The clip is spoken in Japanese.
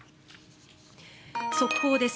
速報です。